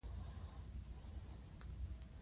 د غازي امان الله خان په دوره کې علمي کار پیل شو.